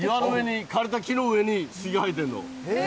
枯れた木の上に杉が生えてんの。